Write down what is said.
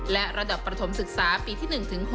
และระดับประถมศึกษาปีที่๑๖